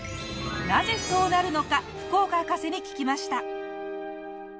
なぜそうなるのか福岡博士に聞きました。